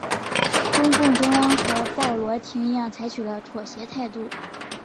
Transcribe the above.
中共中央和鲍罗廷一样采取了妥协态度。